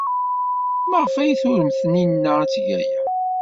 Maɣef ay turem Taninna ad teg aya?